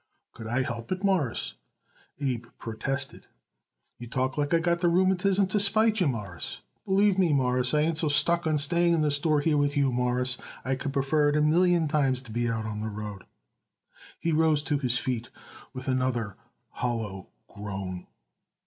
"Could I help it, Mawruss?" Abe protested. "You talk like I got the rheumatism to spite you, Mawruss. Believe me, Mawruss, I ain't so stuck on staying in the store here with you, Mawruss. I could prefer it a million times to be out on the road." He rose to his feet with another hollow groan.